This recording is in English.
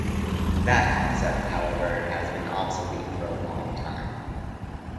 That concept, however, has been obsolete for a long time.